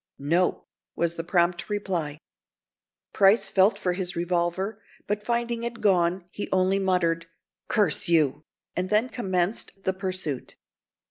"No!" was the prompt reply. Price felt for his revolver, but finding it gone, he only muttered, "Curse you," and then commenced the pursuit.